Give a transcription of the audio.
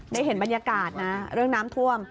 ได้เห็นบรรยากาศนะเรื่องน้ำท่วม